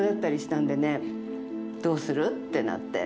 どうするってなって。